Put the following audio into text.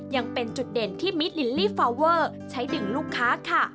ยังเป็นจุดเด่นที่มิดลิลลี่ฟาวเวอร์ใช้ดึงลูกค้าค่ะ